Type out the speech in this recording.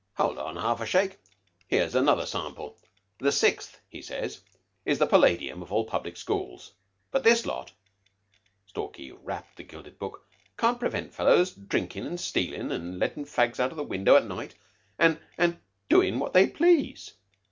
"Hold on half a shake. Here's another sample. 'The Sixth,' he says, 'is the palladium of all public schools.' But this lot " Stalky rapped the gilded book "can't prevent fellows drinkin' and stealin', an' lettin' fags out of window at night, an' an' doin' what they please.